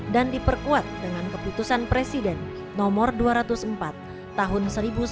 dan diperkuat dengan keputusan presiden nomor dua ratus empat tahun seribu sembilan ratus enam puluh